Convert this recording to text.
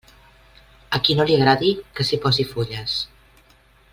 A qui no li agradi que s'hi posi fulles.